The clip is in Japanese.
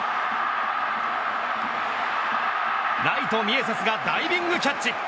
ライト、ミエセスがダイビングキャッチ。